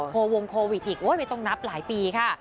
วงโควิดอีกโอ๊ยไม่ต้องนับหลายปีค่ะ